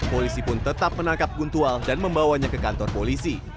polisi pun tetap menangkap guntual dan membawanya ke kantor polisi